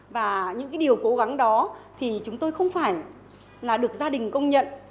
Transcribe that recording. và những điều cố gắng đó thì chúng tôi không phải là được gia đình công nhận